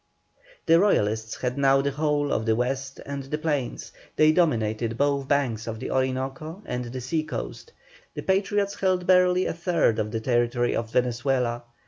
The Royalists had now the whole of the west and the plains; they dominated both banks of the Orinoco and the sea coast; the Patriots held barely a third of the territory of Venezuela.